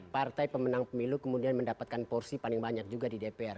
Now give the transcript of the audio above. partai pemenang pemilu kemudian mendapatkan porsi paling banyak juga di dpr